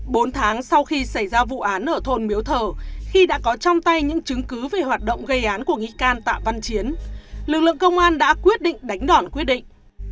bốn tháng sau khi xảy ra vụ án ở thôn miếu thờ khi đã có trong tay những chứng cứ về hoạt động gây án của nghị can tạ văn chiến lực lượng công an đã quyết định đánh đòn quyết định